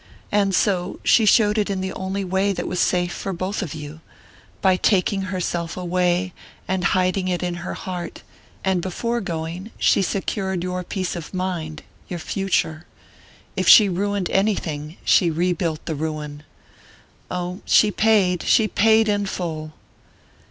And so she showed it in the only way that was safe for both of you, by taking herself away and hiding it in her heart; and before going, she secured your peace of mind, your future. If she ruined anything, she rebuilt the ruin. Oh, she paid she paid in full!"